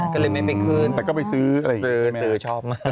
ก็เลยไม่ไม่คืนแต่ก็ไปซื้อซื้อซื้อชอบมาก